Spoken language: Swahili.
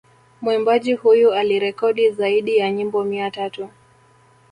Mwimbaji huyu alirekodi zaidi ya nyimbo mia tatu